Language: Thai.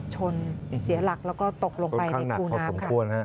เสียหลักแล้วก็ตกลงไปในคูน้ำค่ะ